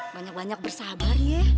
banyak banyak bersabar ya